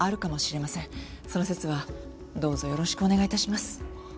その節はどうぞよろしくお願い致します。